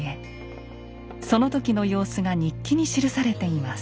その時の様子が日記に記されています。